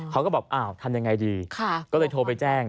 เขาก็บอกอ้าวทำยังไงดีก็เลยโทรไปแจ้ง